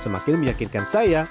semakin meyakinkan saya